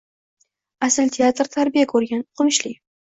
Asl teatr tarbiya ko‘rgan, o‘qimishli